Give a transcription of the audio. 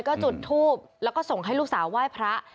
ก็จุดทูบแล้วก็ส่งให้ลูกสาวไหว้พระ